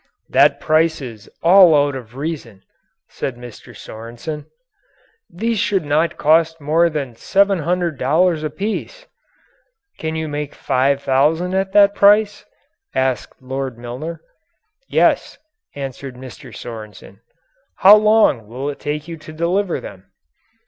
"That price is out of all reason," said Mr. Sorensen, "These should not cost more than $700 apiece." "Can you make five thousand at that price?" asked Lord Milner. "Yes," answered Mr. Sorensen. "How long will it take you to deliver them?"